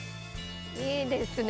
いいですね！